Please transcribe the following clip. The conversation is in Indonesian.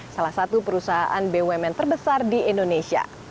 salah satu perusahaan bumn terbesar di indonesia